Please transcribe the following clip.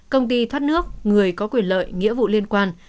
công ty thoát nước người có quyền lợi nghĩa vụ liên quan